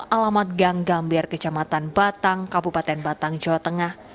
alamat gang gambir kecamatan batang kabupaten batang jawa tengah